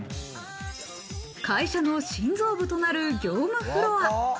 会社の心臓部となる業務フロア。